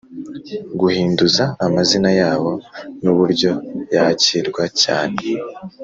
Guhinduza amazina yabo n’ uburyo yakirwa cyane